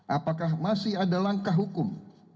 apakah masih ada langkah hukum